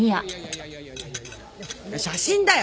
写真だよ！